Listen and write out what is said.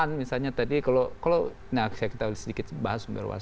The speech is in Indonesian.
misalnya misalnya tadi kalau kalau nah kita sedikit bahas sumber waris